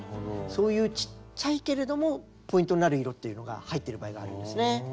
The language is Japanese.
そういうちっちゃいけれどもポイントになる色っていうのが入ってる場合がありますね。